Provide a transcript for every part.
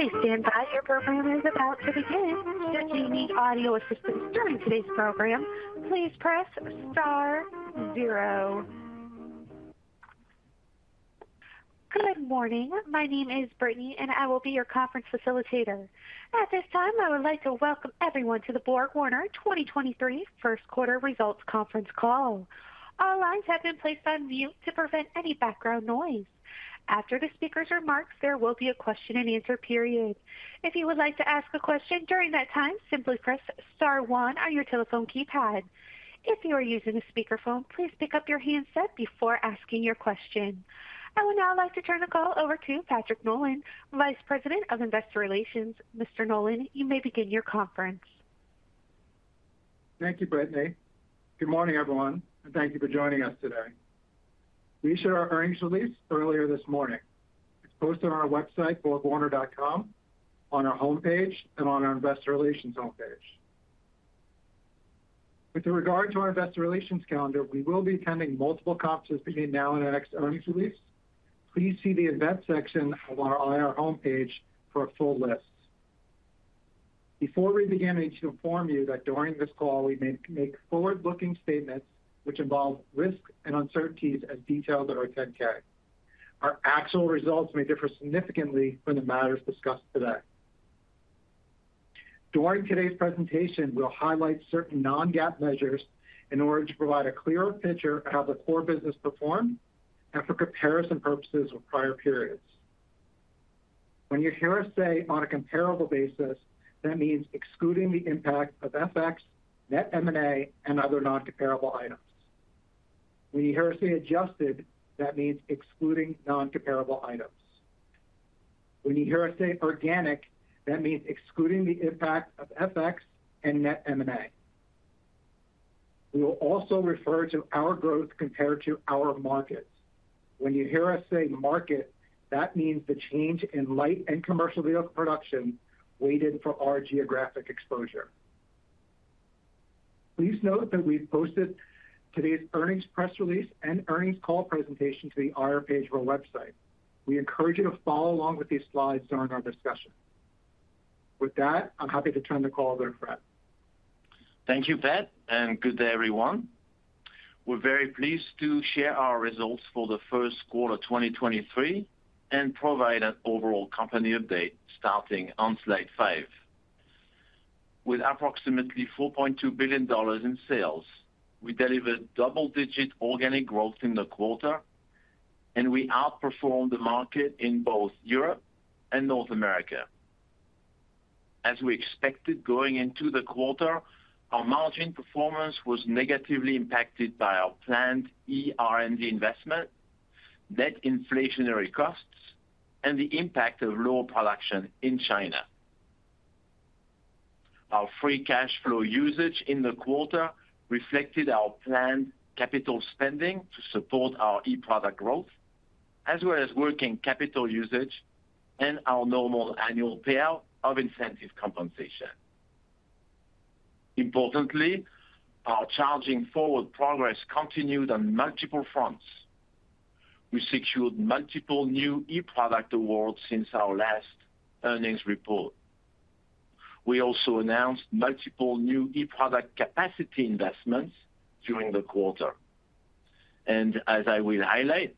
Please stand by. Your program is about to begin. If you need audio assistance during today's program, please press star zero. Good morning. My name is Brittany and I will be your conference facilitator. At this time, I would like to welcome everyone to the BorgWarner 2023 Q1 results Conference Call. All lines have been placed on mute to prevent any background noise. After the speaker's remarks there will be a question-and-answer period. If you would like to ask a question during that time, simply press star one on your telephone keypad. If you are using a speakerphone, please pick up your handset before asking your question. I would now like to turn the call over to Patrick Nolan, Vice President of Investor Relations. Mr. Nolan, you may begin your conference. Thank you Brittany. Good morning everyone and thank you for joining us today. We issued our earnings release earlier this morning. It's posted on our website, borgwarner.com, on our homepage and on our investor relations homepage. With regard to our investor relations calendar we will be attending multiple conferences between now and our next earnings release. Please see the events section of our IR homepage for a full list. Before we begin, I need to inform you that during this call we may make forward-looking statements which involve risks and uncertainties as detailed in our 10-K. Our actual results may differ significantly from the matters discussed today. During today's presentation we'll highlight certain non-GAAP measures in order to provide a clearer picture of how the core business performed and for comparison purposes with prior periods. When you hear us say "On a comparable basis," that means excluding the impact of FX, net M&A, and other non-comparable items. When you hear us say, "Adjusted," that means excluding non-comparable items. When you hear us say "Organic," that means excluding the impact of FX and net M&A. We will also refer to our growth compared to our markets. When you hear us say, "Market," that means the change in light and commercial vehicle production weighted for our geographic exposure. Please note that we've posted today's earnings press release and earnings call presentation to the IR page of our website. We encourage you to follow along with these slides during our discussion. With that, I'm happy to turn the call over to Fred. Thank you Pat. Good day everyone. We're very pleased to share our results for the Q1 of 2023 and provide an overall company update starting on slide five. With approximately $4.2 billion in sales, we delivered double-digit organic growth in the quarter and we outperformed the market in both Europe and North America. As we expected going into the quarter our margin performance was negatively impacted by our planned eR&D investment, net inflationary costs, and the impact of lower production in China. Our free cash flow usage in the quarter reflected our planned capital spending to support our e-product growth as well as working capital usage and our normal annual payout of incentive compensation. Importantly, our Charging Forward progress continued on multiple fronts. We secured multiple new e-product awards since our last earnings report. We also announced multiple new e-product capacity investments during the quarter. As I will highlight,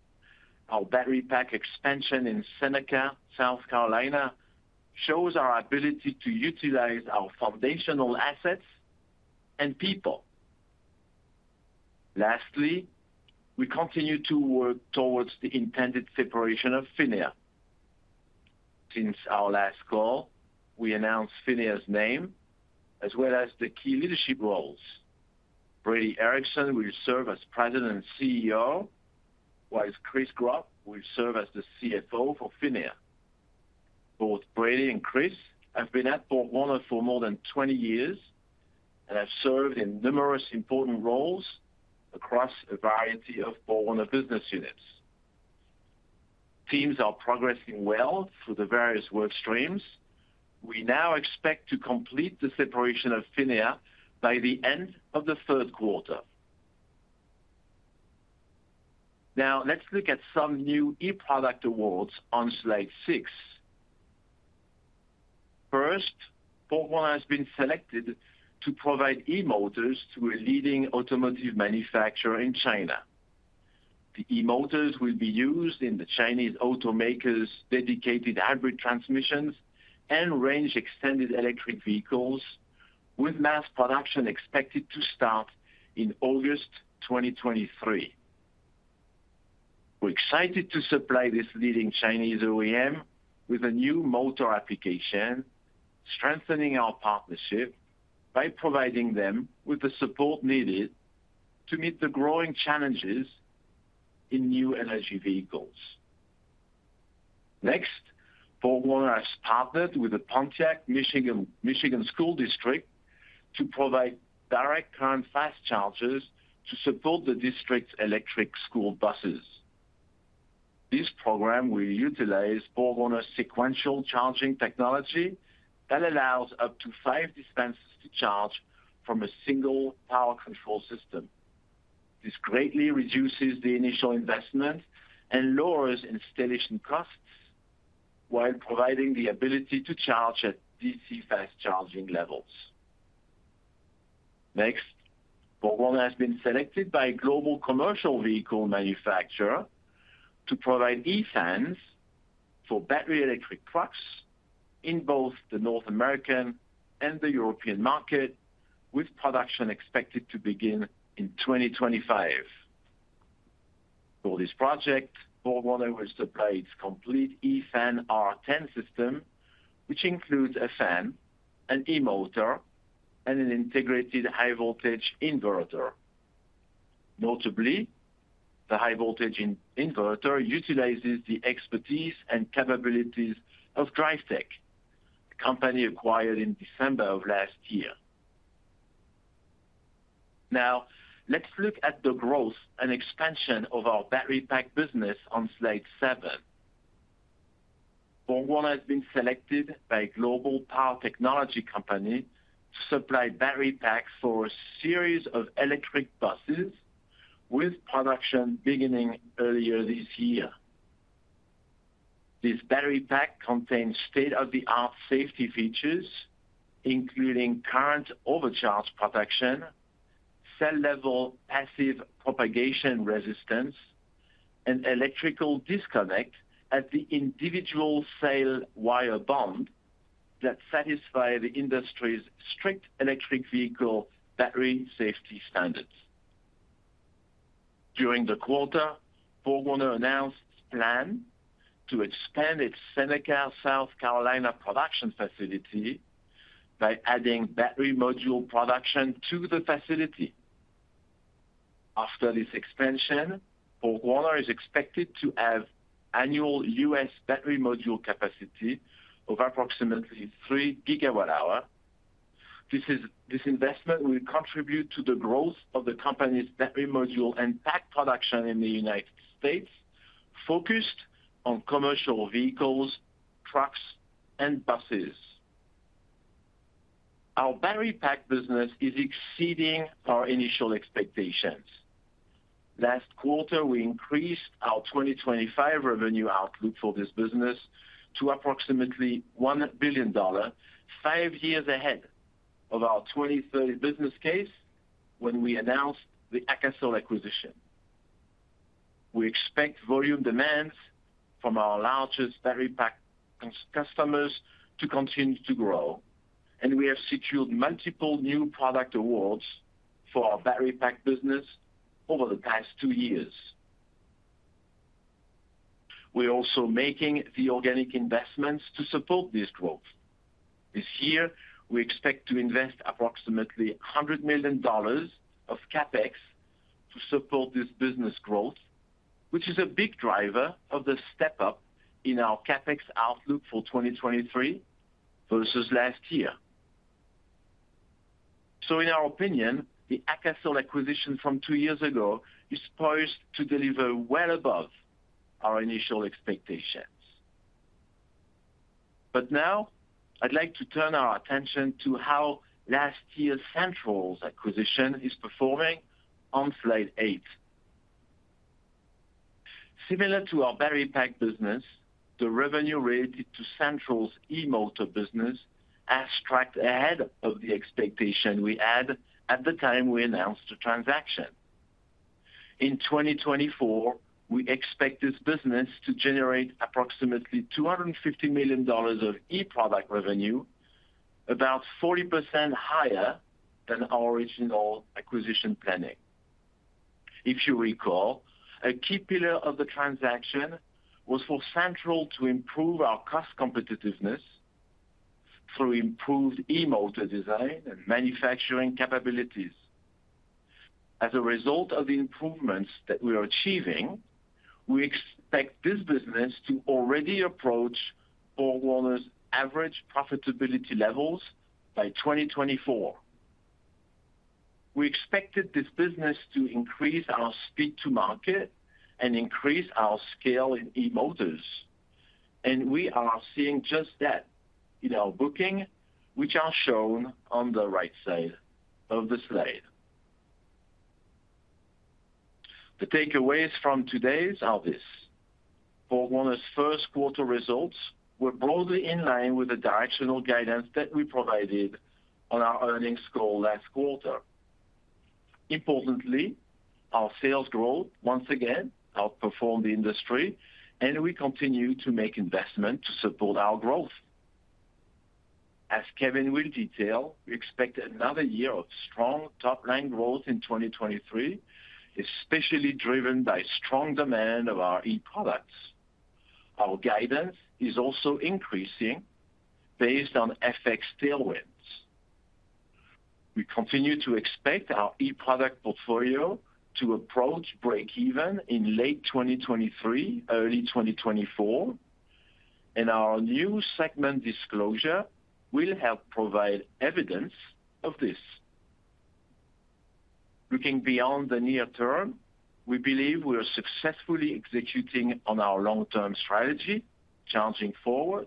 our battery pack expansion in Seneca, South Carolina, shows our ability to utilize our foundational assets and people. Lastly, we continue to work towards the intended separation of PHINIA. Since our last call, we announced PHINIA's name as well as the key leadership roles. Brady Ericson will serve as President and CEO, whilst Chris Gropp will serve as the CFO for PHINIA. Both Brady and Chris have been at BorgWarner for more than 20 years and have served in numerous important roles across a variety of BorgWarner business units. Teams are progressing well through the various work streams. We now expect to complete the separation of PHINIA by the end of the Q3. Let's look at some new e-product awards on slide six. BorgWarner has been selected to provide e-motors to a leading automotive manufacturer in China. The e-motors will be used in the Chinese automaker's dedicated hybrid transmissions and range extended electric vehicles, with mass production expected to start in August 2023. We're excited to supply this leading Chinese OEM with a new motor application, strengthening our partnership by providing them with the support needed to meet the growing challenges in new energy vehicles. BorgWarner has partnered with the Pontiac, Michigan School District to provide direct current fast chargers to support the district's electric school buses. This program will utilize BorgWarner's sequential charging technology that allows up to five dispensers to charge from a single power control system. This greatly reduces the initial investment and lowers installation costs while providing the ability to charge at DC fast charging levels. BorgWarner has been selected by a global commercial vehicle manufacturer to provide e-fans for battery electric trucks in both the North American and the European market with production expected to begin in 2025. For this project, BorgWarner will supply its complete eFan R10 system which includes a fan, an e-motor, and an integrated high voltage inverter. Notably, the high voltage inverter utilizes the expertise and capabilities of Drivetek, a company acquired in December of last year. Let's look at the growth and expansion of our battery pack business on slide seven. BorgWarner has been selected by a global power technology company to supply battery packs for a series of electric buses with production beginning earlier this year. This battery pack contains state-of-the-art safety features including current overcharge protection, cell-level passive propagation resistance, and electrical disconnect at the individual cell wire bond that satisfy the industry's strict electric vehicle battery safety standards. During the quarter, BorgWarner announced its plan to expand its Seneca, South Carolina production facility by adding battery module production to the facility. After this expansion, BorgWarner is expected to have annual U.S. battery module capacity of approximately 3 GWh. This investment will contribute to the growth of the company's battery module and pack production in the United States, focused on commercial vehicles, trucks, and buses. Our battery pack business is exceeding our initial expectations. Last quarter we increased our 2025 revenue outlook for this business to approximately $1 billion, five years ahead of our 2030 business case when we announced the AKASOL acquisition. We expect volume demands from our largest battery pack customers to continue to grow, and we have secured multiple new product awards for our battery pack business over the past two years. We're also making the organic investments to support this growth. This year, we expect to invest approximately $100 million of CapEx to support this business growth which is a big driver of the step-up in our CapEx outlook for 2023 versus last year. In our opinion, the AKASOL acquisition from two years ago is poised to deliver well above our initial expectations. Now I'd like to turn our attention to how last year's Santroll's acquisition is performing on slide eight. Similar to our battery pack business, the revenue related to Santroll's e-motor business has tracked ahead of the expectation we had at the time we announced the transaction. In 2024, we expect this business to generate approximately $250 million of e-product revenue about 40% higher than our original acquisition planning. If you recall, a key pillar of the transaction was for Santroll to improve our cost competitiveness through improved e-motor design and manufacturing capabilities. As a result of the improvements that we are achieving we expect this business to already approach BorgWarner's average profitability levels by 2024. We expected this business to increase our speed to market and increase our scale in e-motors and we are seeing just that in our booking which are shown on the right side of the slide. The takeaways from today are this: BorgWarner's Q1 results were broadly in line with the directional guidance that we provided on our earnings call last quarter. Importantly, our sales growth once again outperformed the industry and we continue to make investment to support our growth. As Kevin will detail, we expect another year of strong top-line growth in 2023 especially driven by strong demand of our e-products. Our guidance is also increasing based on FX tailwinds. We continue to expect our e-product portfolio to approach breakeven in late 2023, early 2024, and our new segment disclosure will help provide evidence of this. Looking beyond the near term, we believe we are successfully executing on our long-term strategy, Charging Forward.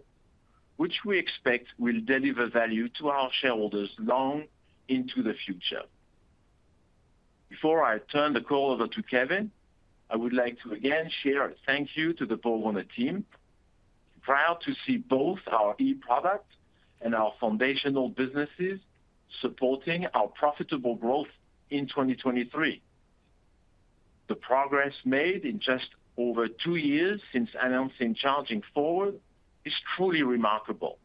Which we expect will deliver value to our shareholders long into the future. Before I turn the call over to Kevin, I would like to again share a thank you to the BorgWarner team. Proud to see both our e-product and our foundational businesses supporting our profitable growth in 2023. The progress made in just over two years since announcing Charging Forward is truly remarkable.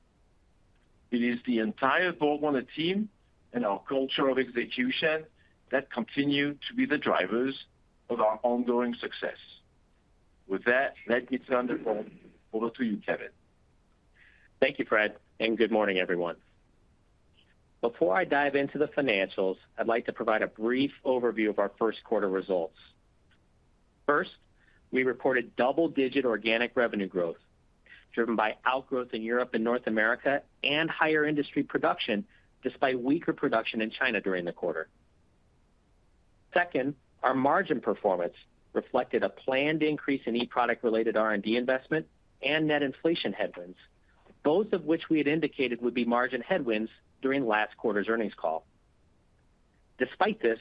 It is the entire BorgWarner team and our culture of execution that continue to be the drivers of our ongoing success. With that, let me turn the call over to you, Kevin. Thank you Fred and good morning everyone. Before I dive into the financials, I'd like to provide a brief overview of our Q1 results. First, we reported double-digit organic revenue growth driven by outgrowth in Europe and North America and higher industry production despite weaker production in China during the quarter. Second, our margin performance reflected a planned increase in e-product related R&D investment and net inflation headwinds both of which we had indicated would be margin headwinds during last quarter's earnings call. Despite this,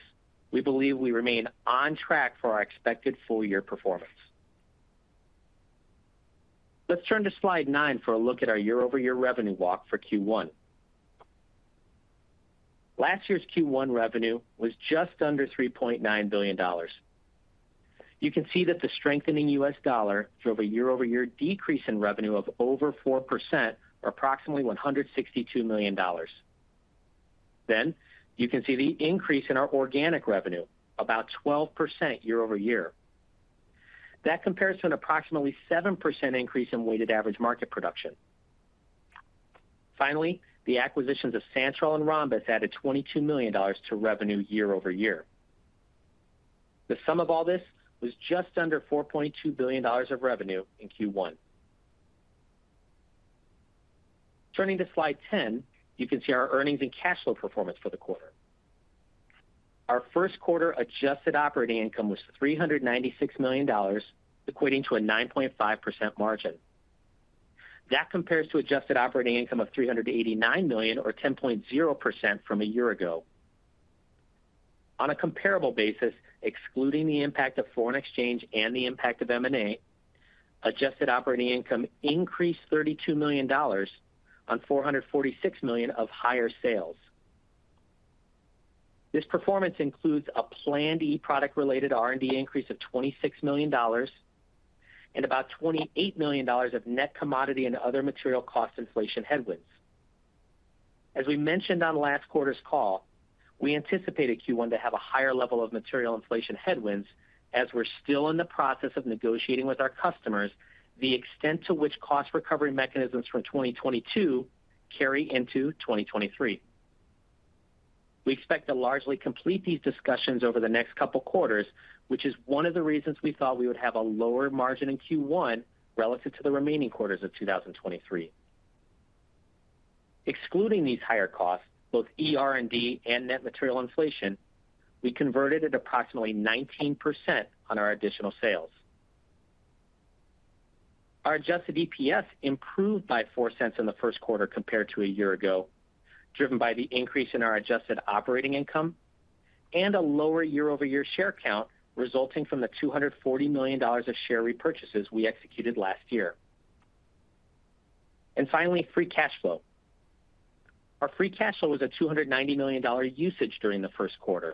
we believe we remain on track for our expected full-year performance. Let's turn to slide nine for a look at our year-over-year revenue walk for Q1. Last year's Q1 revenue was just under $3.9 billion. You can see that the strengthening US dollar drove a year-over-year decrease in revenue of over 4% or approximately $162 million. You can see the increase in our organic revenue about 12% year-over-year. That compares to an approximately 7% increase in weighted average market production. The acquisitions of Santroll and Rhombus added $22 million to revenue year-over-year. The sum of all this was just under $4.2 billion of revenue in Q1. To slide 10, you can see our earnings and cash flow performance for the quarter. Our Q1 adjusted operating income was $396 million equating to a 9.5% margin. That compares to adjusted operating income of $389 million or 10.0% from a year ago. On a comparable basis excluding the impact of foreign exchange and the impact of M&A, adjusted operating income increased $32 million on $446 million of higher sales. This performance includes a planned e-product related eR&D increase of $26 million and about $28 million of net commodity and other material cost inflation headwinds. We mentioned on last quarter's call, we anticipated Q1 to have a higher level of material inflation headwinds as we're still in the process of negotiating with our customers the extent to which cost recovery mechanisms from 2022 carry into 2023. We expect to largely complete these discussions over the next couple quarters which is one of the reasons we thought we would have a lower margin in Q1 relative to the remaining quarters of 2023. Excluding these higher costs, both eR&D and net material inflation, we converted at approximately 19% on our additional sales. Our Adjusted EPS improved by $0.04 in the Q1 compared to a year ago, driven by the increase in our adjusted operating income and a lower year-over-year share count resulting from the $240 million of share repurchases we executed last year. Finally, free cash flow. Our free cash flow was at $290 million usage during the Q1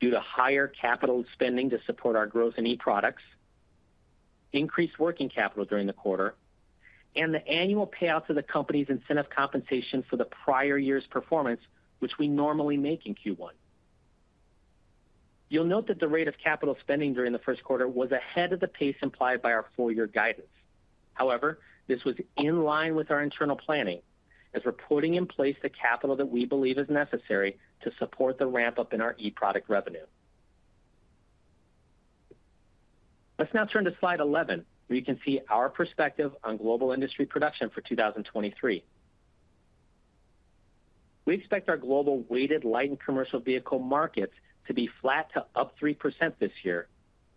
due to higher capital spending to support our growth in e-products, increased working capital during the quarter, and the annual payouts of the company's incentive compensation for the prior year's performance which we normally make in Q1. You'll note that the rate of capital spending during the Q1 was ahead of the pace implied by our full year guidance. However, this was in line with our internal planning as we're putting in place the capital that we believe is necessary to support the ramp-up in our e-product revenue. Let's now turn to slide 11, where you can see our perspective on global industry production for 2023. We expect our global weighted light and commercial vehicle markets to be flat to up 3% this year,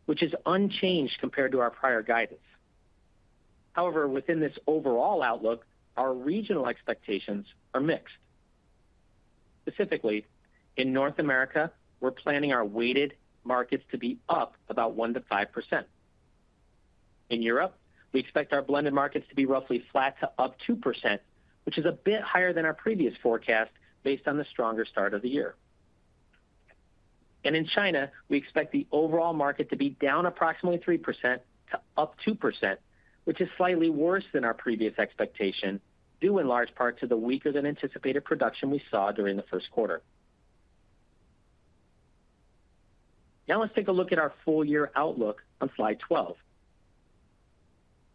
which is unchanged compared to our prior guidance. However, within this overall outlook, our regional expectations are mixed. Specifically, in North America we're planning our weighted markets to be up about 1%-5%. In Europe, we expect our blended markets to be roughly flat to up 2%, which is a bit higher than our previous forecast based on the stronger start of the year. In China, we expect the overall market to be down approximately 3% to up 2% which is slightly worse than our previous expectation, due in large part to the weaker than anticipated production we saw during the Q1. Let's take a look at our full year outlook on slide 12.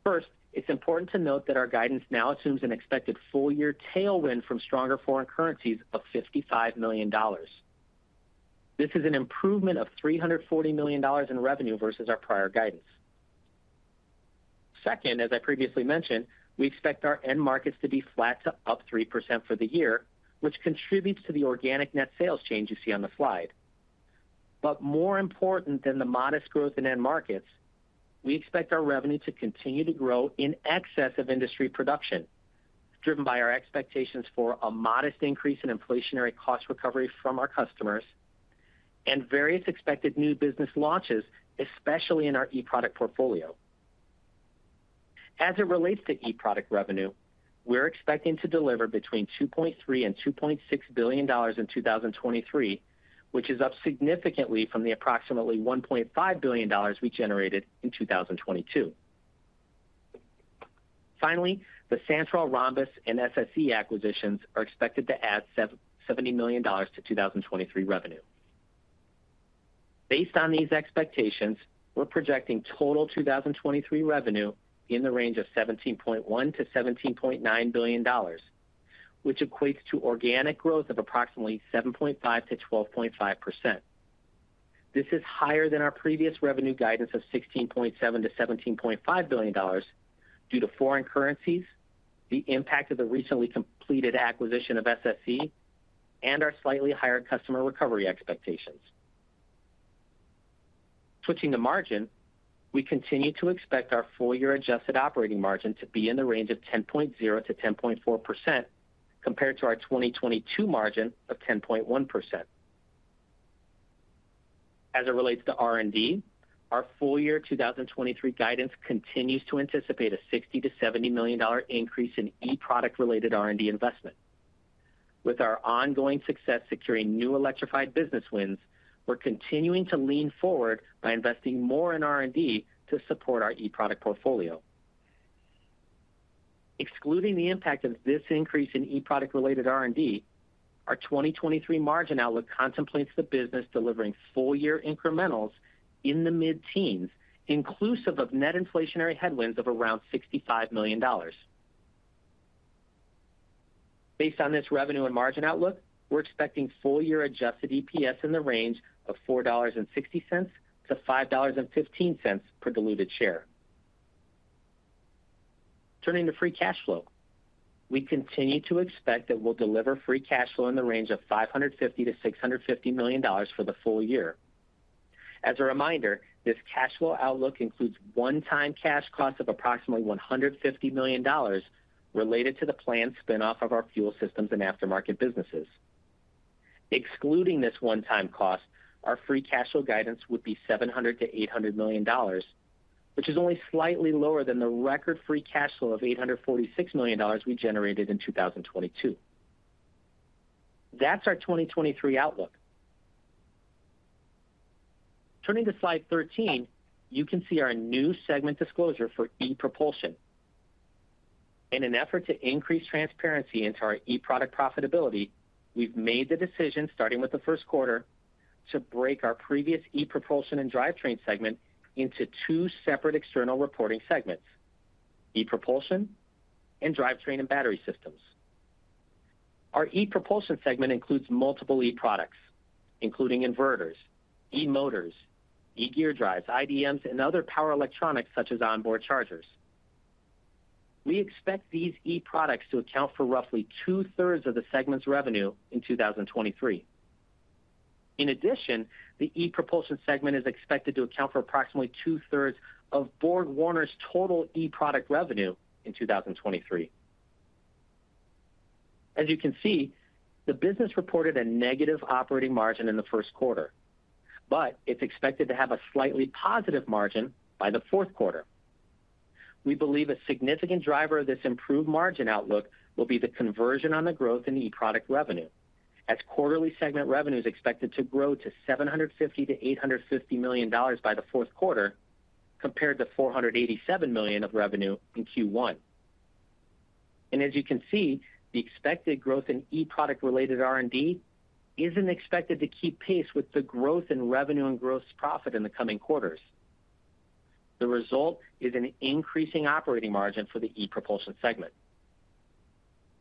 First, it's important to note that our guidance now assumes an expected full year tailwind from stronger foreign currencies of $55 million. This is an improvement of $340 million in revenue versus our prior guidance. Second, as I previously mentioned we expect our end markets to be flat to up 3% for the year which contributes to the organic net sales change you see on the slide. More important than the modest growth in end markets we expect our revenue to continue to grow in excess of industry productio driven by our expectations for a modest increase in inflationary cost recovery from our customers and various expected new business launches, especially in our e-product portfolio. As it relates to e-product revenue, we're expecting to deliver between $2.3 billion and $2.6 billion in 2023 which is up significantly from the approximately $1.5 billion we generated in 2022. Finally, the Santroll, Rhombus, and SSE acquisitions are expected to add $70 million to 2023 revenue. Based on these expectation we're projecting total 2023 revenue in the range of $17.1 billion-$17.9 billion which equates to organic growth of approximately 7.5%-12.5%. This is higher than our previous revenue guidance of $16.7 billion-$17.5 billion due to foreign currencies, the impact of the recently completed acquisition of SSE, and our slightly higher customer recovery expectations. Switching to margin we continue to expect our full year adjusted operating margin to be in the range of 10.0%-10.4% compared to our 2022 margin of 10.1%. As it relates to R&D our full year 2023 guidance continues to anticipate a $60 million-$70 million increase in e-product related R&D investment. With our ongoing success securing new electrified business wins we're continuing to lean forward by investing more in R&D to support our e-product portfolio. Excluding the impact of this increase in e-product related R& our 2023 margin outlook contemplates the business delivering full year incrementals in the mid-teens, inclusive of net inflationary headwinds of around $65 million. Based on this revenue and margin outlook we're expecting full year Adjusted EPS in the range of $4.60-$5.15 per diluted share. Turning to free cash flow. We continue to expect that we'll deliver free cash flow in the range of $550 million-$650 million for the full year. As a reminder, this cash flow outlook includes one-time cash cost of approximately $150 million related to the planned spin-off of our Fuel Systems and Aftermarket businesses. Excluding this one-time cost, our free cash flow guidance would be $700 million-$800 million which is only slightly lower than the record free cash flow of $846 million we generated in 2022. That's our 2023 outlook. Turning to slide 13, you can see our new segment disclosure for ePropulsion. In an effort to increase transparency into our e-product profitability we've made the decision starting with the Q1 to break our previous ePropulsion and Drivetrain segment into two separate external reporting segments, ePropulsion and Drivetrain & Battery Systems. Our ePropulsion segment includes multiple e-products, including inverters, e-motors, eGearDrives, IDMs, and other power electronics such as onboard chargers. We expect these e-products to account for roughly 2/3 of the segment's revenue in 2023. In addition, the ePropulsion segment is expected to account for approximately 2/3 of BorgWarner's total e-product revenue in 2023. As you can see, the business reported a negative operating margin in the Q1 but it's expected to have a slightly positive margin by the Q4. We believe a significant driver of this improved margin outlook will be the conversion on the growth in the e-product revenue as quarterly segment revenue is expected to grow to $750 million-$850 million by the Q4 compared to $487 million of revenue in Q1. As you can see, the expected growth in e-product related eR&D isn't expected to keep pace with the growth in revenue and gross profit in the coming quarters. The result is an increasing operating margin for the ePropulsion segment.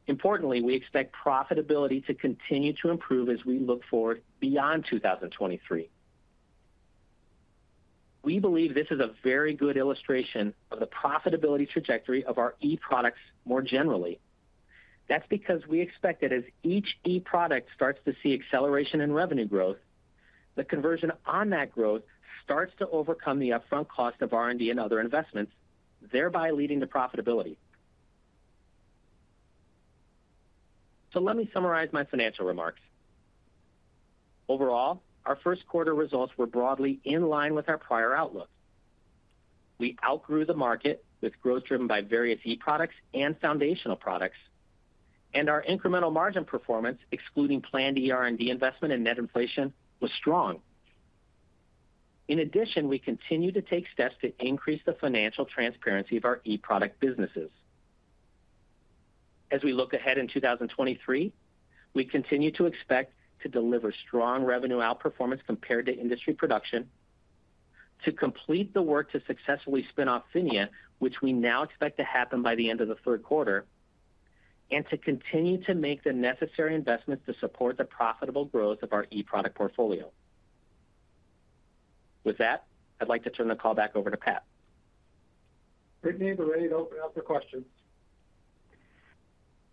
Importantly, we expect profitability to continue to improve as we look forward beyond 2023. We believe this is a very good illustration of the profitability trajectory of our e-products more generally. That's because we expect that as each e-product starts to see acceleration in revenue growth the conversion on that growth starts to overcome the upfront cost of R&D and other investments thereby leading to profitability. Let me summarize my financial remarks. Overall, our Q1 results were broadly in line with our prior outlook. We outgrew the market with growth driven by various e-products and foundational products and our incremental margin performance, excluding planned eR&D investment and net inflation was strong. In addition, we continue to take steps to increase the financial transparency of our e-product businesses. As we look ahead in 2023, we continue to expect to deliver strong revenue outperformance compared to industry production to complete the work to successfully spin off PHINIA which we now expect to happen by the end of the Q3 and to continue to make the necessary investments to support the profitable growth of our e-product portfolio. With that, I'd like to turn the call back over to Pat. Brittany, we're ready to open up for questions.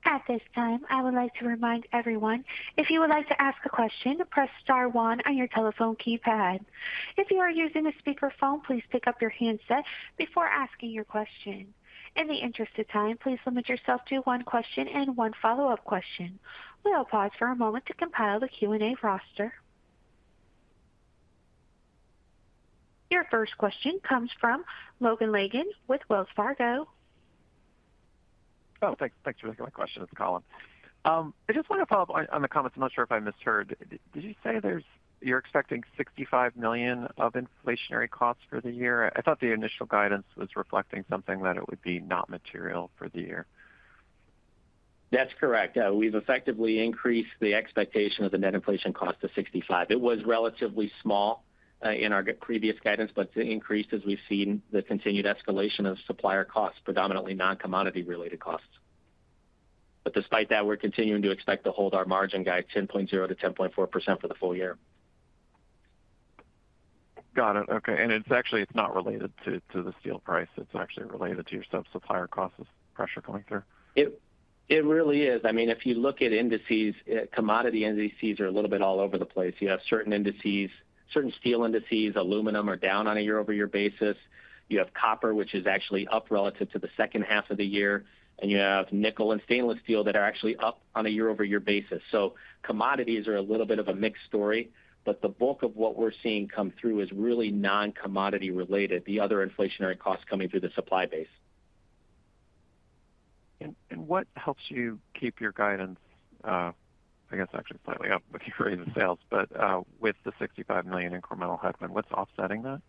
At this time, I would like to remind everyone, if you would like to ask a question, press star one on your telephone keypad. If you are using a speakerphone, please pick up your handset before asking your question. In the interest of time, please limit yourself to one question and one follow-up question. We'll pause for a moment to compile the Q&A roster. Your first question comes from Colin Langan with Wells Fargo. Oh thanks. Thanks for taking my question. It's Colin. I just want to follow up on the comments. I'm not sure if I misheard. Did you say you're expecting $65 million of inflationary costs for the year? I thought the initial guidance was reflecting something that it would be not material for the year. That's correct. We've effectively increased the expectation of the net inflation cost to $65 million. It was relatively small in our previous guidance but it's increased as we've seen the continued escalation of supplier costs predominantly non-commodity related costs. Despite that we're continuing to expect to hold our margin guide 10.0%-10.4% for the full year. Got it. Okay. It's actually, it's not related to the steel price. It's actually related to your sub-supplier costs pressure going through. It really is. I mean, if you look at indices, commodity indices are a little bit all over the place. You have certain indices, certain steel indices, aluminum are down on a year-over-year basis. You have copper, which is actually up relative to the H2 of the year and you have nickel and stainless steel that are actually up on a year-over-year basis. Commodities are a little bit of a mixed story but the bulk of what we're seeing come through is really non-commodity related the other inflationary costs coming through the supply base. What helps you keep your guidance, I guess actually slightly up with the rate of sales but with the $65 million incremental headwind, what's offsetting that?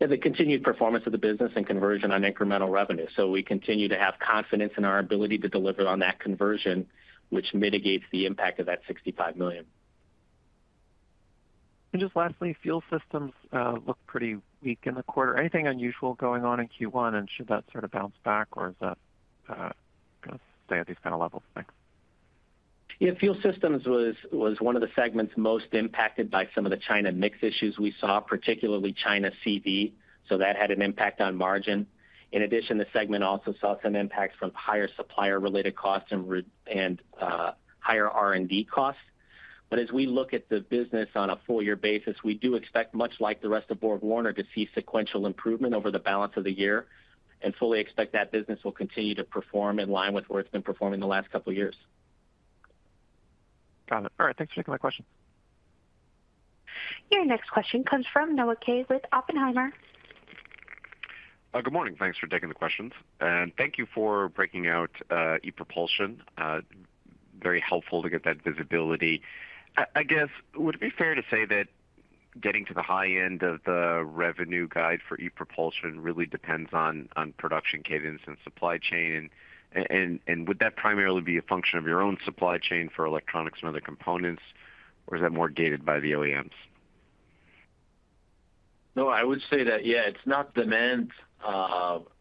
Yeah. The continued performance of the business and conversion on incremental revenue. We continue to have confidence in our ability to deliver on that conversion, which mitigates the impact of that $65 million. Just lastly, Fuel Systems, looked pretty weak in the quarter. Anything unusual going on in Q1 and should that sort of bounce back or is that, gonna stay at these kind of levels? Thanks. Fuel Systems was one of the segments most impacted by some of the China mix issues we saw particularly China CV. That had an impact on margin. In addition, the segment also saw some impacts from higher supplier related costs and higher R&D costs. As we look at the business on a full year basis we do expect much like the rest of BorgWarner to see sequential improvement over the balance of the year and fully expect that business will continue to perform in line with where it's been performing the last couple of years. Got it. All right. Thanks for taking my question. Your next question comes from Noah Kaye with Oppenheimer. Good morning. Thanks for taking the questions. Thank you for breaking out ePropulsion. Very helpful to get that visibility. I guess, would it be fair to say that getting to the high end of the revenue guide for ePropulsion really depends on production cadence and supply chain? Would that primarily be a function of your own supply chain for electronics and other components or is that more gated by the OEMs? I would say that, yeah, it's not demand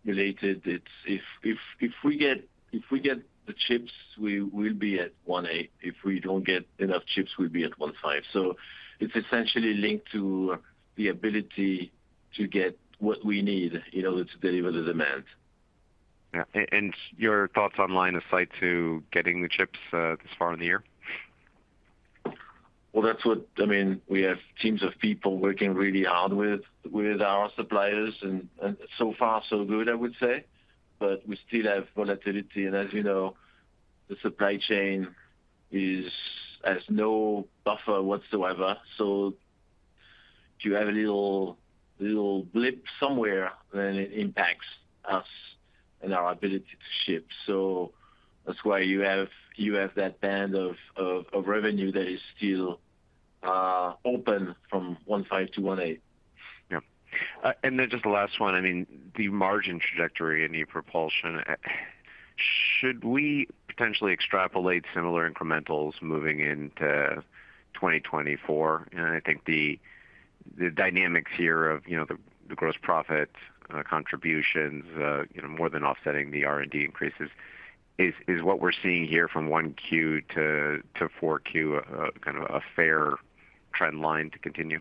related. It's if we get the chips we will be at 1.8. If we don't get enough chips we'll be at 1.5. It's essentially linked to the ability to get what we need in order to deliver the demand. Yeah. Your thoughts on line of sight to getting the chips this far in the year? Well, that's what I mean, we have teams of people working really hard with our suppliers and so far so good, I would say. We still have volatility. As you know, the supply chain has no buffer whatsoever. If you have a little blip somewhere then it impacts us and our ability to ship. That's why you have that band of revenue that is still open from $15-$18. Yeah. I mean, the margin trajectory in ePropulsion, should we potentially extrapolate similar incrementals moving into 2024? You know, I think the dynamics here of, you know, the gross profit contributions, you know, more than offsetting the eR&D increases. Is what we're seeing here from 1Q to 4Q kind of a fair trend line to continue?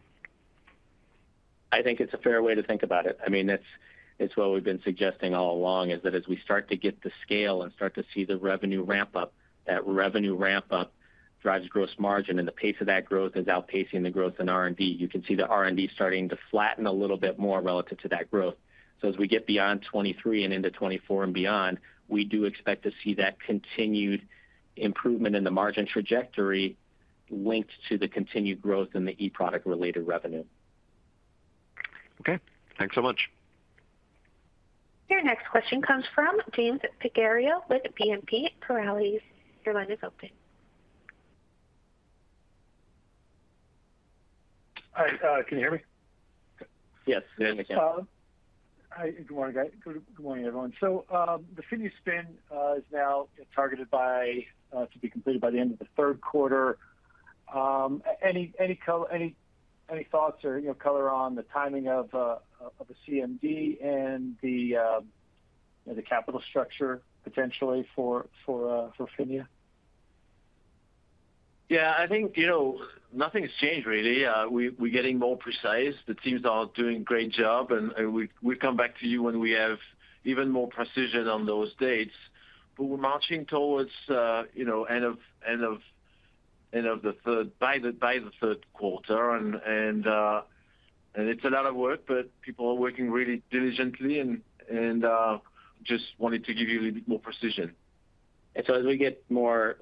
I think it's a fair way to think about it. I mean that's, it's what we've been suggesting all along, is that as we start to get the scale and start to see the revenue ramp up that revenue ramp up drives gross margin the pace of that growth is outpacing the growth in R&D. You can see the R&D starting to flatten a little bit more relative to that growth. As we get beyond 2023 and into 2024 and beyond we do expect to see that continued improvement in the margin trajectory linked to the continued growth in the e-product related revenue. Okay. Thanks so much. Your next question comes from James Picariello with BNP Paribas. Your line is open. All right. Can you hear me? Yes. We can. Good morning everyone. The PHINIA spin is now targeted to be completed by the end of the Q3. Any thoughts or, you know, color on the timing of the CMD and the capital structure potentially for PHINIA? Yeah, I think, you know, nothing's changed really. We're getting more precise. The teams are doing a great job and we'll come back to you when we have even more precision on those dates. But we're marching towards, you know, by the Q3. It's a lot of work but people are working really diligently and just wanted to give you a little bit more precision. As we get more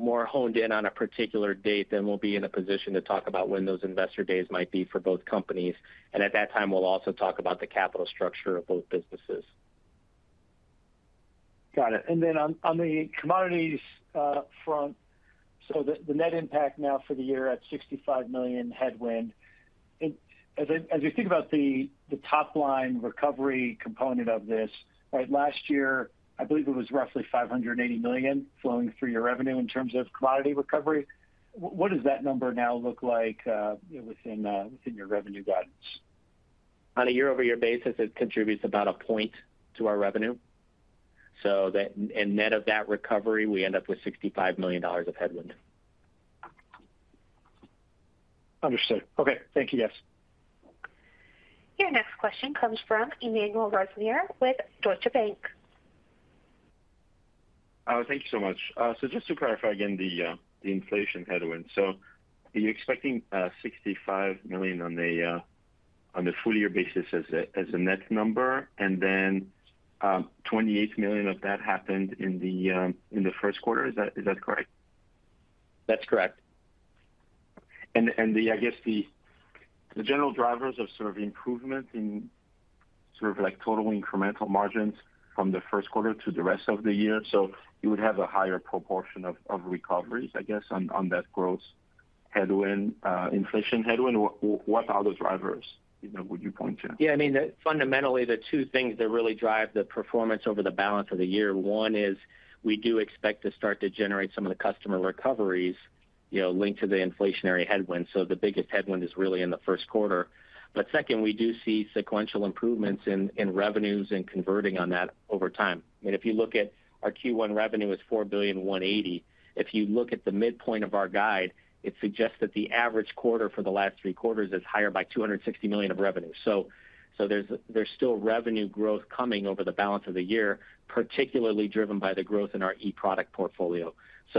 honed in on a particular date, then we'll be in a position to talk about when those investor days might be for both companies. At that time, we'll also talk about the capital structure of both businesses. Got it. On the commodities front, the net impact now for the year at $65 million headwind. As we think about the top line recovery component of this, right? Last year, I believe it was roughly $580 million flowing through your revenue in terms of commodity recovery. What does that number now look like within your revenue guidance? On a year-over-year basis, it contributes about a point to our revenue. And net of that recovery, we end up with $65 million of headwind. Understood. Okay. Thank you guys. Your next question comes from Emmanuel Rosner with Deutsche Bank. Thank you so much. Just to clarify again the inflation headwind. Are you expecting $65 million on a full year basis as a net number and then $28 million of that happened in the Q1? Is that correct? That's correct. I guess the general drivers of sort of improvement in sort of like total incremental margins from the Q1 to the rest of the year. You would have a higher proportion of recoveries, I guess, on that gross headwind, inflation headwind, or what are the drivers, you know, would you point to? I mean, fundamentally, the two things that really drive the performance over the balance of the year one is we do expect to start to generate some of the customer recoveries, you know, linked to the inflationary headwind. The biggest headwind is really in the Q1. Second, we do see sequential improvements in revenues and converting on that over time. I mean, if you look at our Q1 revenue was $4.18 billion. If you look at the midpoint of our guide it suggests that the average quarter for the last three quarters is higher by $260 million of revenue. There's still revenue growth coming over the balance of the year particularly driven by the growth in our e-product portfolio.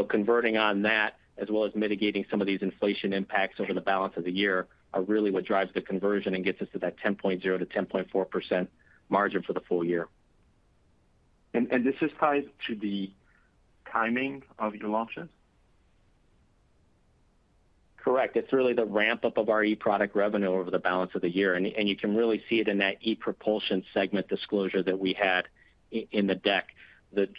Converting on that as well as mitigating some of these inflation impacts over the balance of the year are really what drives the conversion and gets us to that 10.0%-10.4% margin for the full year. This is tied to the timing of your launches? Correct. It's really the ramp-up of our e-product revenue over the balance of the year. You can really see it in that ePropulsion segment disclosure that we had in the deck. The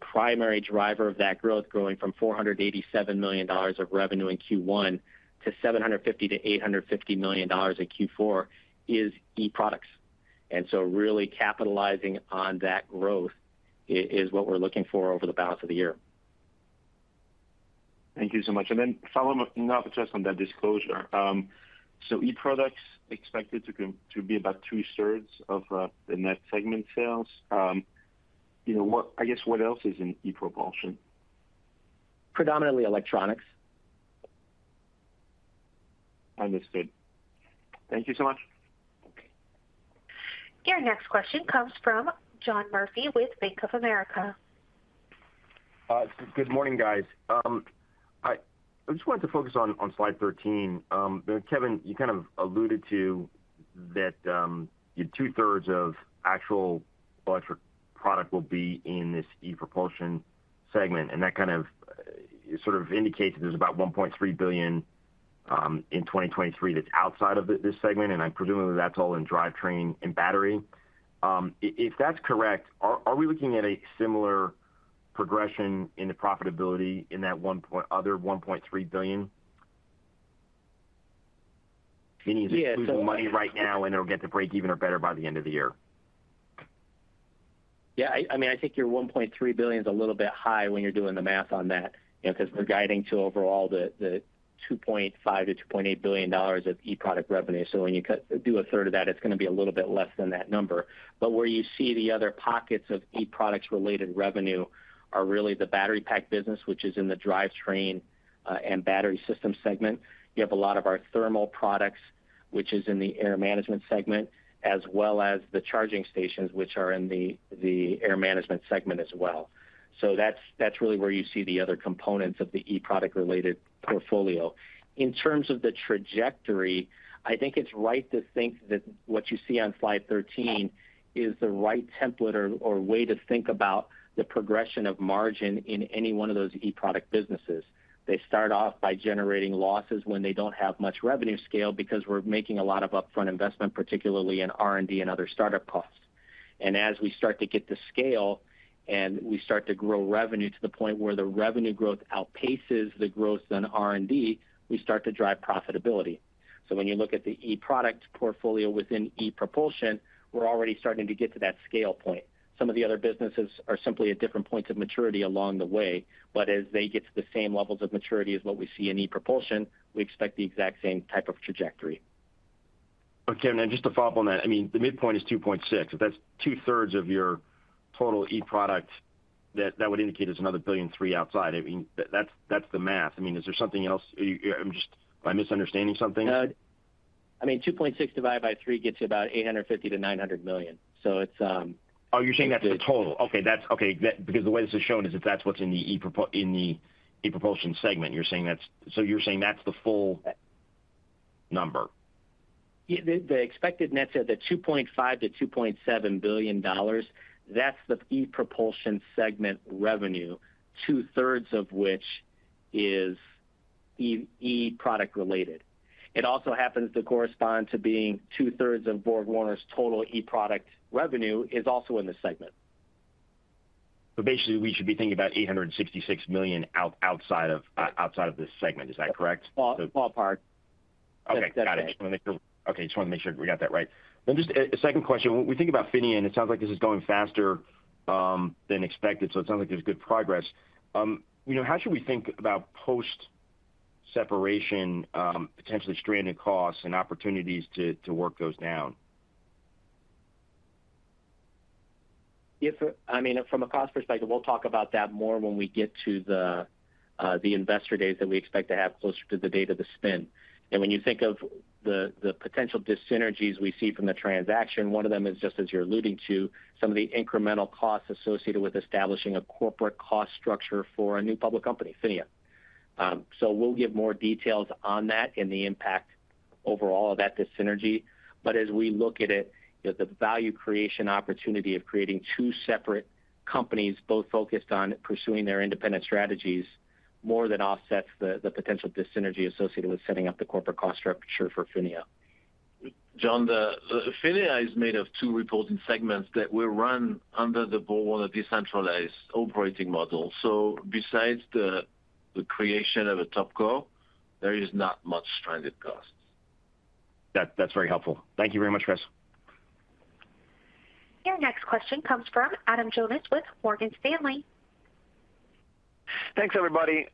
primary driver of that growth growing from $487 million of revenue in Q1 to $750 million-$850 million in Q4 is e-products. Really capitalizing on that growth is what we're looking for over the balance of the year. Thank you so much. Following up just on that disclosure. So e-products expected to be about two-thirds of the net segment sales. You know, I guess what else is in ePropulsion? Predominantly electronics. Understood. Thank you so much. Okay. Your next question comes from John Murphy with Bank of America. Good morning guys. I just wanted to focus on slide 13. Kevin, you kind of alluded to that, you know, 2/3 of actual electric product will be in this ePropulsion segment and that kind of, sort of indicates that there's about $1.3 billion in 2023 that's outside of this segment and I'm presuming that's all in Drivetrain and Battery. If that's correct, are we looking at a similar progression in the profitability in that other $1.3 billion? Meaning it's losing money right now and it'll get to breakeven or better by the end of the year. I mean, I think your $1.3 billion is a little bit high when you're doing the math on that, you know, 'cause we're guiding to overall the $2.5 billion-$2.8 billion of e-product revenue. When you do a third of that it's gonna be a little bit less than that number. Where you see the other pockets of e-products related revenue are really the battery pack business which is in the Drivetrain & Battery Systems segment. You have a lot of our thermal products, which is in the Air Management segment as well as the charging stations which are in the Air Management segment as well. That's really where you see the other components of the e-product related portfolio. In terms of the trajectory, I think it's right to think that what you see on slide 13 is the right template or way to think about the progression of margin in any one of those e-product businesses. They start off by generating losses when they don't have much revenue scale because we're making a lot of upfront investment particularly in R&D and other startup costs. As we start to get to scale and we start to grow revenue to the point where the revenue growth outpaces the growth in R&D we start to drive profitability. When you look at the e-product portfolio within ePropulsion we're already starting to get to that scale point. Some of the other businesses are simply at different points of maturity along the way, but as they get to the same levels of maturity as what we see in ePropulsion we expect the exact same type of trajectory. Okay. Then just to follow up on that, I mean, the midpoint is $2.6 billion. If that's 2/3 of your total e-products that would indicate there's another $1.3 billion outside. I mean, that's the math. I mean, is there something else? Am I misunderstanding something? I mean, $2.6 divided by 3 gets you about $850 million-$900 million. Oh, you're saying that's the total. Okay, the way this is shown is that that's what's in the ePropulsion segment. You're saying that's the full number. Yeah. The expected net said that $2.5 billion-$2.7 billion, that's the ePropulsion segment revenue, 2/3 of which is e-product related. It also happens to correspond to being 2/3 of BorgWarner's total e-product revenue is also in this segment. Basically, we should be thinking about $866 million outside of this segment. Is that correct? Ball, ballpark. Okay. Got it. Okay, just wanted to make sure we got that right. Just a second question. When we think about PHINIA, and it sounds like this is going faster than expected, so it sounds like there's good progress. You know, how should we think about post-separation potentially stranded costs and opportunities to work those down? If from a cost perspective, we'll talk about that more when we get to the investor data that we expect to have closer to the data of the spin. When you think of the potential dyssynergies we see from the transaction, one of them is just as you're alluding to some of the incremental costs associated with establishing a corporate cost structure for a new public company, PHINIA. We'll give more details on that and the impact overall of that dyssynergy. As we look at it, you know, the value creation opportunity of creating two separate companies both focused on pursuing their independent strategies more than offsets the potential dyssynergy associated with setting up the corporate cost structure for PHINIA. John, PHINIA is made of two reporting segments that will run under the BorgWarner decentralized operating model. Besides the creation of a Top Co, there is not much stranded costs. That's very helpful. Thank you very much guys. Your next question comes from Adam Jonas with Morgan Stanley. Thanks everybody.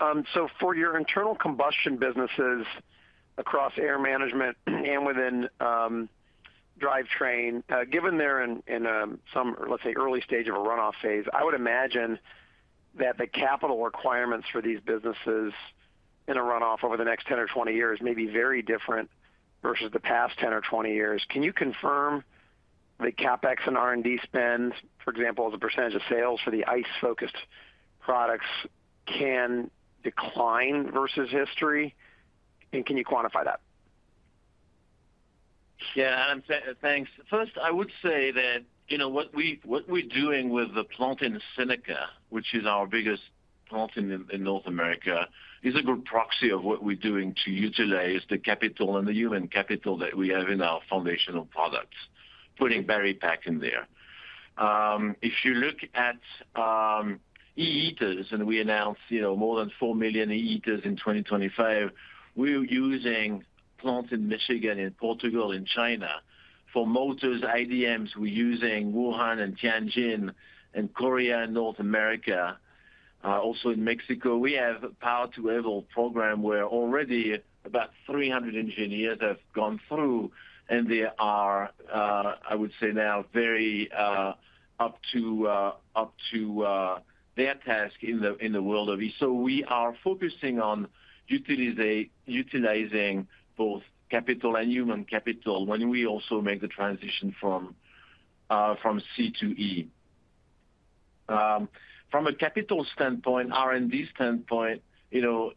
For your internal combustion businesses across Air Management and within Drivetrain, given they're in some, let's say early stage of a runoff phase, I would imagine that the capital requirements for these businesses in a runoff over the next 10 or 20 years may be very different versus the past 10 or 20 years. Can you confirm the CapEx and R&D spend for example as a % of sales for the ICE-focused products can decline versus history? Can you quantify that? Yeah Adam. Thanks. First, I would say that, you know, what we're doing with the plant in Seneca which is our biggest plant in North America, is a good proxy of what we're doing to utilize the capital and the human capital that we have in our foundational products, putting Barry back in there. If you look at eHeaters we announced, you know, more than four million eHeaters in 2025 we're using plants in Michigan, in Portugal, in China. For motors, IDMs, we're using Wuhan and Tianjin and Korea, North America, also in Mexico. We have a Power to Level program where already about 300 engineers have gone through and they are, I would say now very up to their task in the world of E. We are focusing on utilizing both capital and human capital when we also make the transition from C to E. From a capital standpoint, R&D standpoint, you know,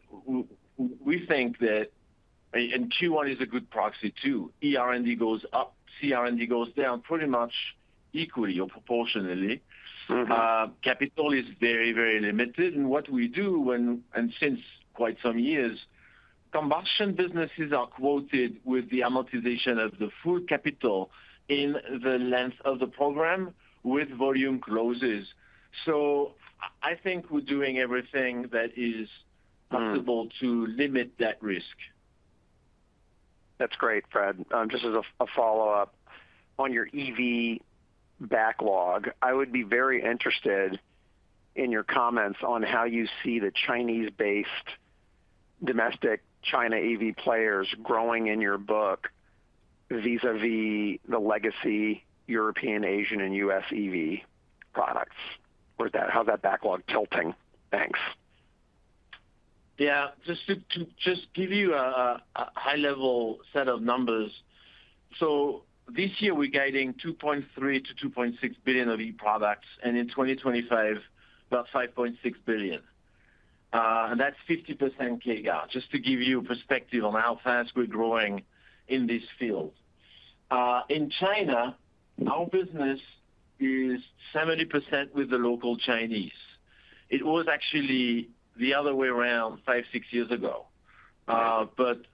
we think that. Q1 is a good proxy too. eR&D goes up, C R&D goes down pretty much equally or proportionally. Mm-hmm. Capital is very, very limited. What we do when, and since quite some years, combustion businesses are quoted with the amortization of the full capital in the length of the program with volume closes. I think we're doing everything that is possible to limit that risk. That's great Fred. Just as a follow-up, on your EV backlog, I would be very interested in your comments on how you see the Chinese-based domestic China EV players growing in your book vis-à-vis the legacy European, Asian, and US EV products. How's that backlog tilting? Thanks. Yeah. Just to just give you a high-level set of numbers. This year we're guiding $2.3 billion-$2.6 billion of e-products and in 2025, about $5.6 billion. That's 50% CAGR just to give you a perspective on how fast we're growing in this field. In China, our business is 70% with the local Chinese. It was actually the other way around five, six years ago. Okay.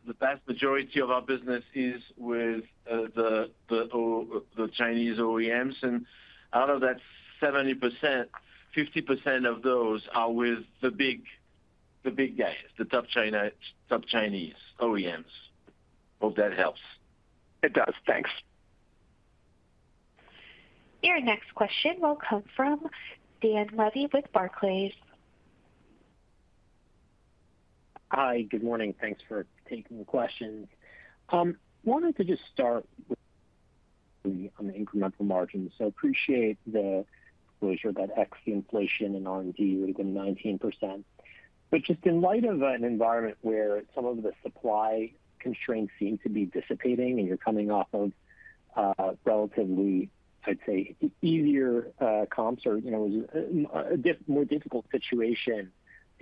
The vast majority of our business is with the Chinese OEMs. Out of that 70%, 50% of those are with the big guys, the top Chinese OEMs. Hope that helps. It does. Thanks. Your next question will come from Dan Levy with Barclays. Hi good morning. Thanks for taking the questions. Wanted to just start with on the incremental margins. Appreciate the closure that ex the inflation and R&D would have been 19%. Just in light of an environment where some of the supply constraints seem to be dissipating and you're coming off of, relatively, I'd say easier, comps or, you know, a more difficult situation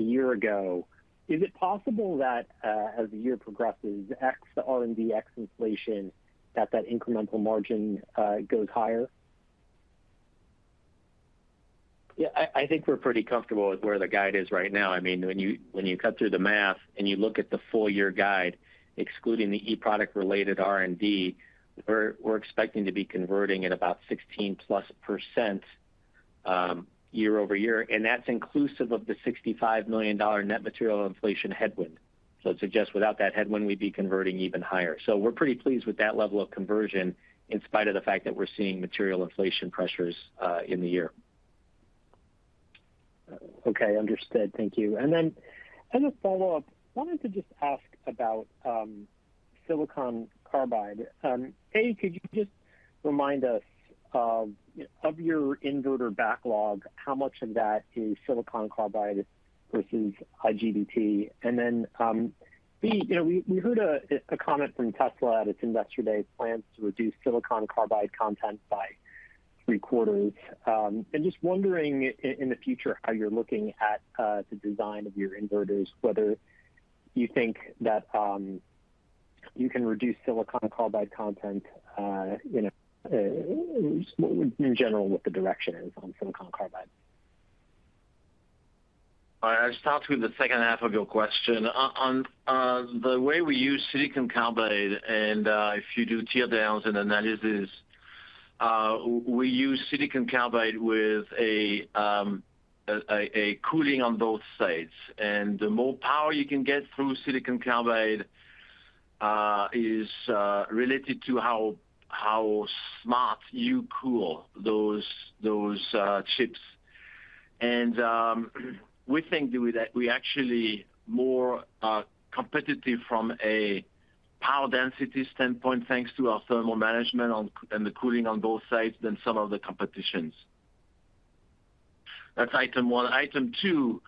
a year ago is it possible tha as the year progresses, ex the R&D, ex inflation, that that incremental margin, goes higher? I think we're pretty comfortable with where the guide is right now. I mean, when you cut through the math and you look at the full year guide excluding the e-product related R&D we're expecting to be converting at about 16+%, year-over-year and that's inclusive of the $65 million net material inflation headwind. I'd suggest without that headwind we'd be converting even higher. We're pretty pleased with that level of conversion in spite of the fact that we're seeing material inflation pressures in the year. Okay, understood. Thank you. As a follow-up, wanted to just ask about silicon carbide. A, could you just remind us of your inverter backlog how much of that is silicon carbide versus IGBT? B, you know we heard a comment from Tesla at its Investor Day plans to reduce silicon carbide content by three quarters. Just wondering in the future how you're looking at the design of your inverters, whether you think that you can reduce silicon carbide content, you know, in general, what the direction is on silicon carbide. I'll start with the H2 of your question. On the way we use silicon carbide and if you do tear downs and analysis we use silicon carbide with a cooling on both sides. The more power you can get through silicon carbide is related to how smart you cool those chips. We think that we actually more competitive from a power density standpoint, thanks to our thermal management and the cooling on both sides than some of the competitions. That's item one. Item two,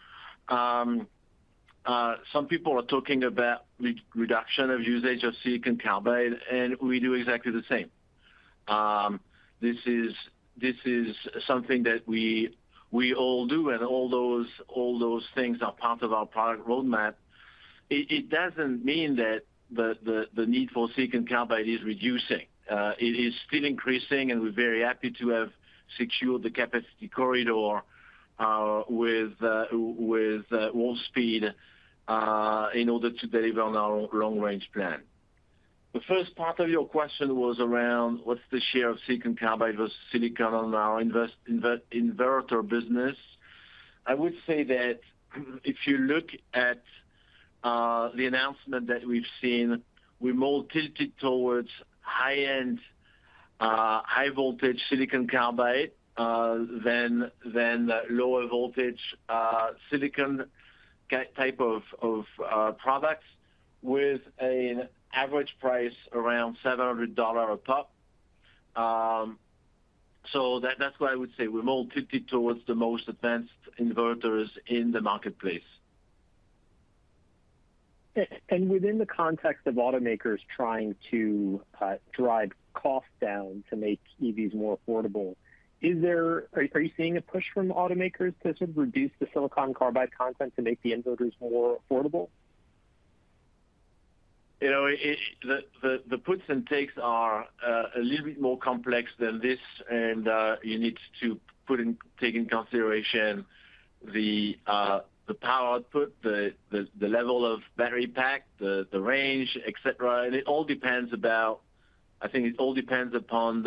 some people are talking about re-reduction of usage of silicon carbide, and we do exactly the same. This is something that we all do, and all those things are part of our product roadmap. It doesn't mean that the need for silicon carbide is reducing. It is still increasing, and we're very happy to have secured the capacity corridor with Wolfspeed in order to deliver on our long-range plan. The first part of your question was around what's the share of silicon carbide versus silicon on our inverter business. I would say that if you look at the announcement that we've seen we're more tilted towards high-end high voltage silicon carbide than lower voltage silicon type of products with an average price around $700 a pop. So that's why I would say we're more tilted towards the most advanced inverters in the marketplace. Within the context of automakers trying to drive cost down to make EVs more affordable, are you seeing a push from automakers to sort of reduce the silicon carbide content to make the inverters more affordable? You know, it, the puts and takes are a little bit more complex than this and you need to take in consideration the power output the level of battery pack, the range, et cetera. I think it all depends upon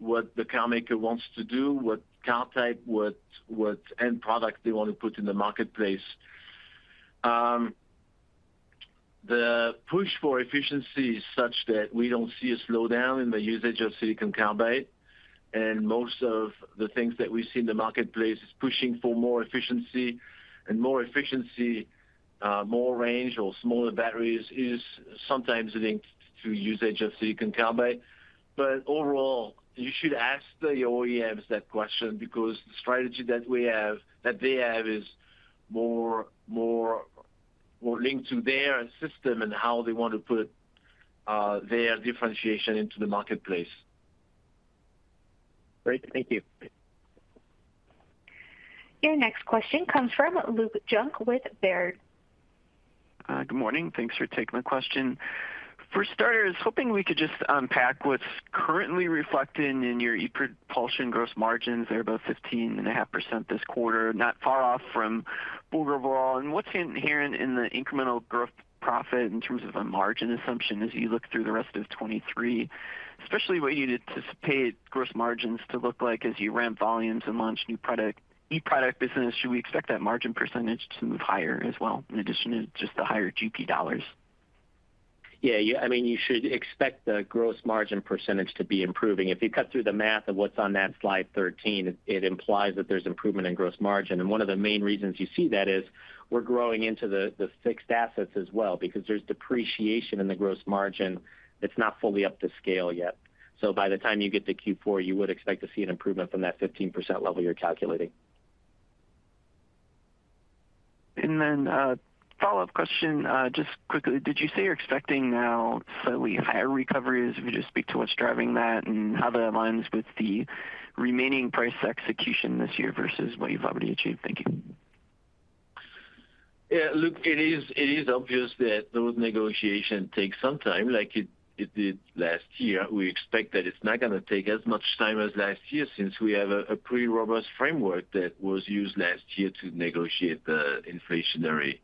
what the carmaker wants to do, what car type what end product they want to put in the marketplace. The push for efficiency is such that we don't see a slowdown in the usage of silicon carbide. Most of the things that we see in the marketplace is pushing for more efficiency and more efficiency more range or smaller batteries is sometimes linked to usage of silicon carbide. Overall, you should ask the OEMs that question because the strategy that they have is more, more, more linked to their system and how they want to put their differentiation into the marketplace. Great. Thank you. Your next question comes from Luke Junk with Baird. Good morning. Thanks for taking the question. For starters, hoping we could just unpack what's currently reflected in your ePropulsion gross margins. They're about 15.5% this quarter not far off from overall. What's inherent in the incremental growth profit in terms of a margin assumption as you look through the rest of 2023 especially what you anticipate gross margins to look like as you ramp volumes and launch new product, e-product business. Should we expect that margin percentage to move higher as well, in addition to just the higher GP dollars? Yeah, I mean, you should expect the gross margin % to be improving. If you cut through the math of what's on that slide 13 it implies that there's improvement in gross margin. One of the main reasons you see that is we're growing into the fixed assets as well because there's depreciation in the gross margin that's not fully up to scale yet. By the time you get to Q4, you would expect to see an improvement from that 15% level you're calculating. Then follow-up question, just quickly. Did you say you're expecting now slightly higher recoveries? If you could just speak to what's driving that and how that aligns with the remaining price execution this year versus what you've already achieved. Thank you. Yeah, look, it is obvious that those negotiations take some time like it did last year. We expect that it's not gonna take as much time as last year since we have a pretty robust framework that was used last year to negotiate the inflationary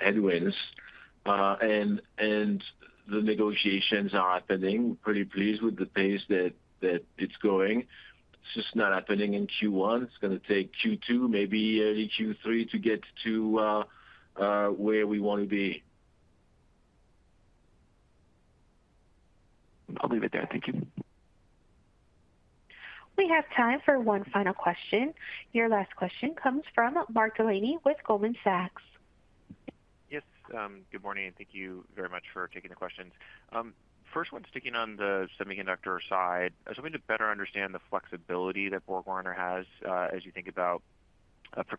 headwinds. The negotiations are happening. Pretty pleased with the pace that it's going. It's just not happening in Q1. It's gonna take Q2 maybe early Q3 to get to where we wanna be. I'll leave it there. Thank you. We have time for one final question. Your last question comes from Mark Delaney with Goldman Sachs. Yes good morning, thank you very much for taking the questions. First one, sticking on the semiconductor side. I was hoping to better understand the flexibility that BorgWarner has, as you think about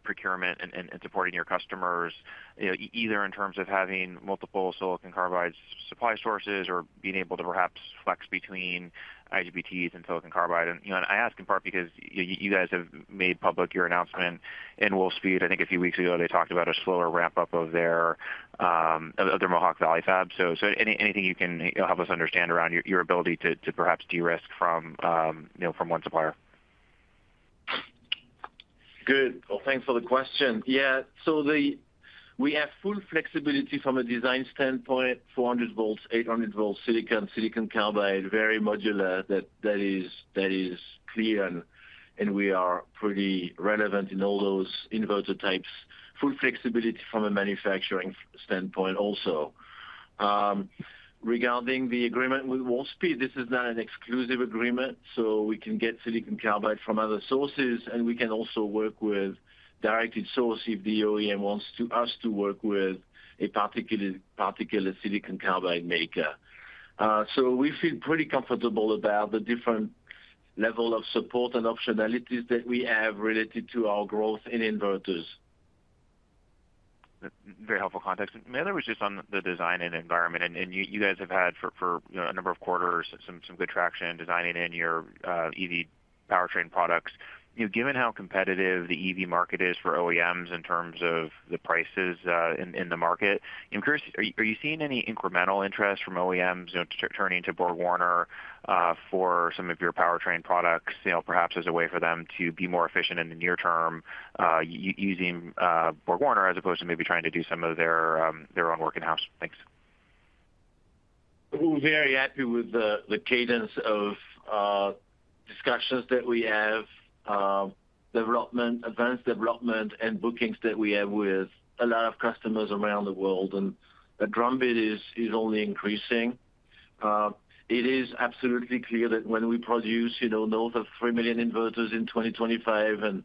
procurement and supporting your customers, you know, either in terms of having multiple silicon carbide supply sources or being able to perhaps flex between IGBTs and silicon carbide. You know, I ask in part because you guys have made public your announcement in Wolfspeed. I think a few weeks ago they talked about a slower ramp-up of their of their Mohawk Valley fab. Anything you can help us understand around your ability to perhaps de-risk from, you know, from one supplier? Good. Well, thanks for the question. We have full flexibility from a design standpoint 400 volts, 800 volts, silicon carbide, very modular. That is clear and we are pretty relevant in all those inverter types. Full flexibility from a manufacturing standpoint also. Regarding the agreement with Wolfspeed, this is not an exclusive agreement so we can get silicon carbide from other sources and we can also work with directed source if the OEM wants us to work with a particular silicon carbide maker. We feel pretty comfortable about the different level of support and optionalities that we have related to our growth in inverters. Very helpful context. The other was just on the design and environment. You, you guys have had for, you know, a number of quarters some good traction designing in your EV powertrain products. You know, given how competitive the EV market is for OEMs in terms of the prices in the market, I'm curious are you, are you seeing any incremental interest from OEMs, you know, turning to BorgWarner for some of your powertrain products, you know, perhaps as a way for them to be more efficient in the near term using BorgWarner as opposed to maybe trying to do some of their own work in-house? Thanks. We're very happy with the cadence of discussions that we have, advanced development and bookings that we have with a lot of customers around the world. The drumbeat is only increasing. It is absolutely clear that when we produce, you know, north of three million inverters in 2025 and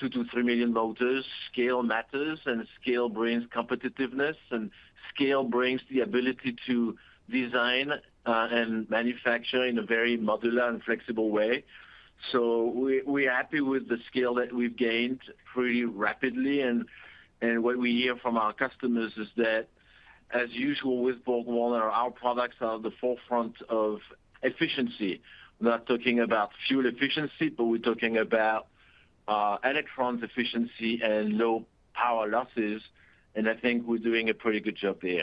two to three million motors, scale matters, and scale brings competitiveness, and scale brings the ability to design and manufacture in a very modular and flexible way. We're happy with the scale that we've gained pretty rapidly. What we hear from our customers is that as usual with BorgWarner, our products are at the forefront of efficiency. We're not talking about fuel efficiency but we're talking about electrons efficiency and low power losses and I think we're doing a pretty good job there.